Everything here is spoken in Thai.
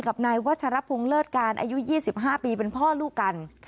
กับนายวัชรพงศ์เลิศการอายุ๒๕ปีเป็นพ่อลูกกัน